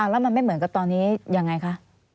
แล้วมันไม่เหมือนกับตอนนี้ยังไงคะ